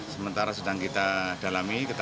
sementara sedang kita dalami